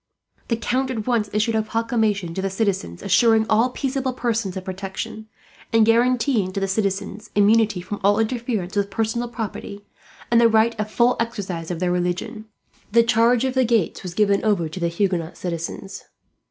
The Count at once issued a proclamation to the citizens, assuring all peaceable persons of protection; and guaranteeing to the citizens immunity from all interference with personal property, and the right of full exercise of their religion. The charge of the gates was given over to the Huguenot citizens.